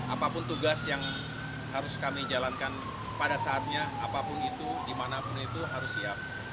apapun tugas yang harus kami jalankan pada saatnya apapun itu dimanapun itu harus siap